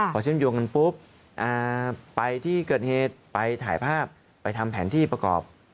พอเชื่อมโยงกันปุ๊บไปที่เกิดเหตุไปถ่ายภาพไปทำแผนที่ประกอบ